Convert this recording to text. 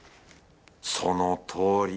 そのとおり